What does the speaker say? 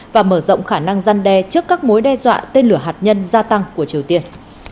và mở rộng khả năng gian đe trước các mối đe dọa tên lửa hạt nhân gia tăng của triều tiên